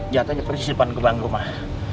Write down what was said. jatohnya persis depan kebang rumah